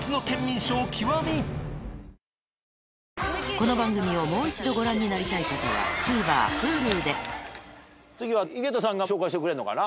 この番組をもう一度ご覧になりたい方はＴＶｅｒＨｕｌｕでしてくれるのかな？